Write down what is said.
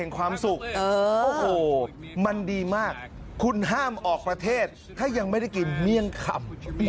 กระลังม่อเลยแหละ